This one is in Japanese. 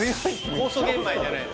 酵素玄米じゃないの？